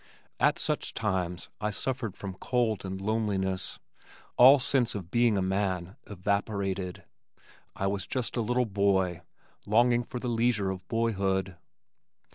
At such times I suffered from cold and loneliness all sense of being a man evaporated. I was just a little boy, longing for the leisure of boyhood.